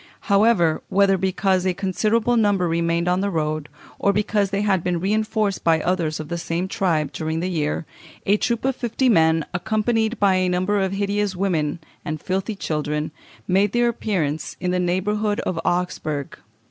However, whether because a considerable number remained on the road, or because they had been reinforced by others of the same tribe during the year, a troop of fifty men, accompanied by a number of hideous women and filthy children, made their appearance in the neighbourhood of Augsburg.